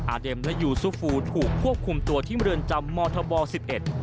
เด็มและยูซูฟูถูกควบคุมตัวที่เมืองจำมธบสิบเอ็ด